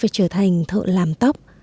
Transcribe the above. trở thành thợ làm tóc